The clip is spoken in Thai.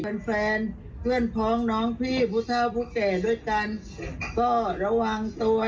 เป็นแฟนเพื่อนพองน้องพี่ผู้เท่าผู้แก่ด้วยกันก็ระวังตัวเดินเหินเนอะ